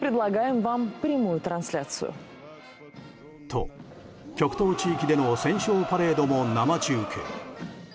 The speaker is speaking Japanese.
と、極東地域での戦勝パレードも生中継。